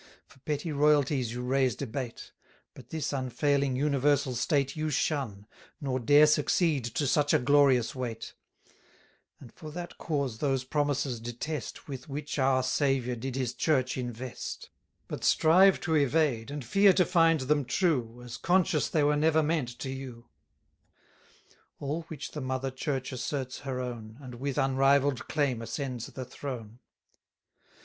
For petty royalties you raise debate; 490 But this unfailing universal state You shun; nor dare succeed to such a glorious weight; And for that cause those promises detest With which our Saviour did his Church invest; But strive to evade, and fear to find them true, As conscious they were never meant to you: All which the Mother Church asserts her own, And with unrivall'd claim ascends the throne.